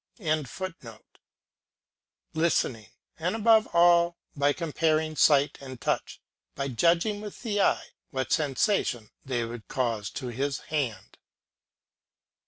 ] listening, and, above all, by comparing sight and touch, by judging with the eye what sensation they would cause to his hand.